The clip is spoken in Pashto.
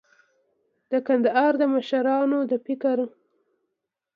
د کندهار د مشرانو د فکر